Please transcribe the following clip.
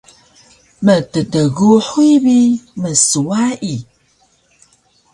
mttguhuy bi mnswayi